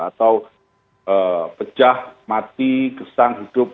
atau pecah mati kesang hidup